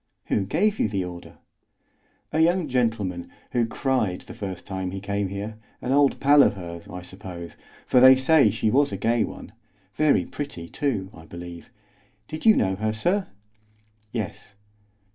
"Who gave you the order?" "A young gentleman, who cried the first time he came here; an old pal of hers, I suppose, for they say she was a gay one. Very pretty, too, I believe. Did you know her, sir?" "Yes."